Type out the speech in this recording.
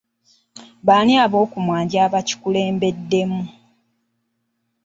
Baani ab'okumwanjo abakikulembeddemu?